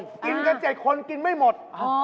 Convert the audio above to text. กินกัน๗คนกินไม่หมด